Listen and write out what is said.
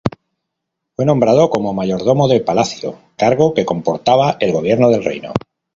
Fue nombrado como mayordomo de palacio, cargo que comportaba el gobierno del reino.